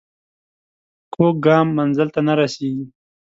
کوږ ګام منزل ته نه رسېږي